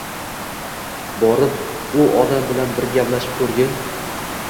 Borib, u odam bilan bir gaplashib ko`rgin